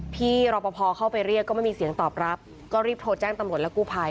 พี่รอปภเข้าไปเรียกก็ไม่มีเสียงตอบรับก็รีบโทรแจ้งตำรวจและกู้ภัย